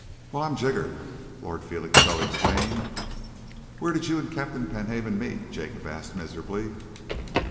"Well, I'm jiggered!" Lord Felixstowe exclaimed. "Where did you and Captain Penhaven meet?" Jacob asked miserably.